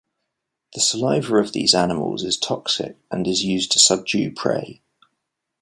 The saliva of these animals is toxic and is used to subdue prey.